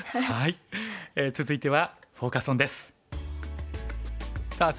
はい。